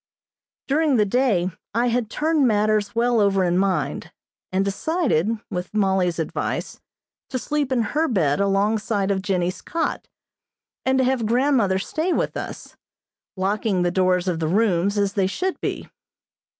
During the day I had turned matters well over in mind, and decided, with Mollie's advice, to sleep in her bed alongside of Jennie's cot, and to have grandmother stay with us, locking the doors of the rooms, as they should be.